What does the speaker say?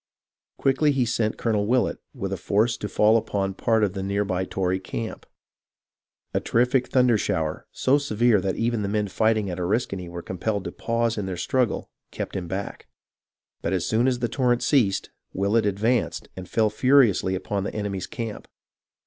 Quickly he sent Colonel Willett with a force to fall upon a part of the near by Tory camp. A terrific thunder shower, so severe that even the men fighting at Oriskany were compelled to pause in their struggle, kept him back ; but as soon as the torrent ceased, Willett advanced and fell furiously upon the enemy's camp.